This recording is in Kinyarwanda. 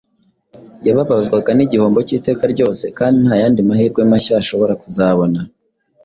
yazababazwa n’igihombo cy’iteka ryose kandi nta yandi mahirwe mashya ashobora kuzabona.